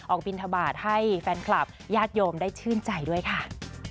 บินทบาทให้แฟนคลับญาติโยมได้ชื่นใจด้วยค่ะ